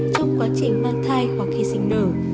trong quá trình mang thai hoặc khi sinh nở